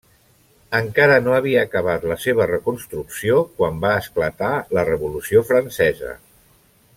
Encara no havia acabat la seva reconstrucció quan va esclatar la Revolució francesa.